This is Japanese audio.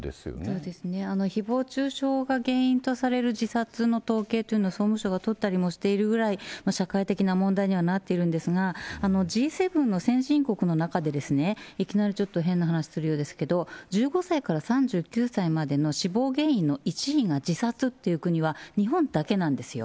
そうですね、ひぼう中傷が原因とされる自殺の統計というのを総務省が取ったりもしているぐらい、社会的な問題にはなっているんですが、Ｇ７の先進国の中で、いきなりちょっと変な話するようですけど、１５歳から３９歳までの死亡原因の１位が自殺っていう国は、日本だけなんですよ。